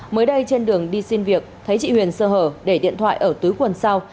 mới đây trên đường đi xin việc thấy chị huyền sơ hở để điện thoại ở tứ quần sau